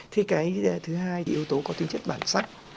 thì cái thứ hai thì yếu tố có tính chất bản sắc